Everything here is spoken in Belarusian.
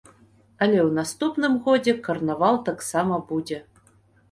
Але ў наступным годзе карнавал таксама будзе.